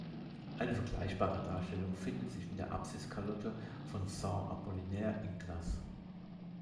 Eine vergleichbare Darstellung findet sich in der Apsiskalotte von Sant’Apollinare in Classe.